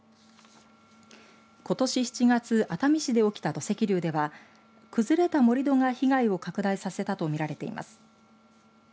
ことし７月熱海市で起きた土石流では崩れた盛り土が被害を拡大させたとみられています。